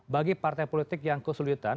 bagi partai politik yang kesulitan